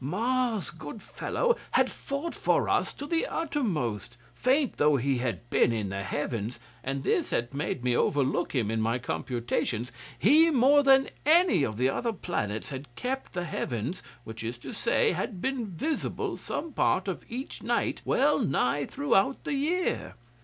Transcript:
Mars, good fellow, had fought for us to the uttermost. Faint though he had been in the Heavens, and this had made me overlook him in my computations, he more than any of the other planets had kept the Heavens which is to say, had been visible some part of each night wellnigh throughout the year.